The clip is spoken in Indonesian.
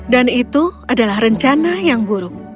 dan itu adalah rencana yang buruk